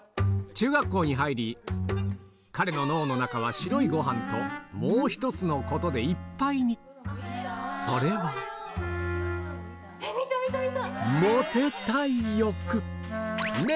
中学校に入り彼の脳の中は白いご飯ともう１つのことでいっぱいにはい！